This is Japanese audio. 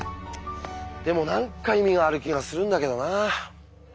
でも何か意味がある気がするんだけどなあ。